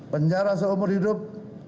penjara seumur hidup